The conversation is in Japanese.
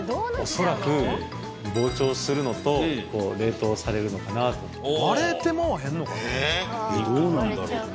恐らく膨張するのと冷凍されるのかなとどうなんだろう